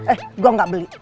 eh gue nggak beli